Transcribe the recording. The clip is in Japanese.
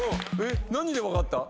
何で分かった？